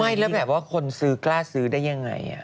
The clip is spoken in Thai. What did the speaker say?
ไม่แล้วแบบว่าคนซื้อกล้าซื้อได้ยังไง